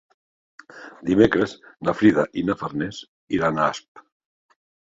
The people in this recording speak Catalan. Dimecres na Frida i na Farners iran a Asp.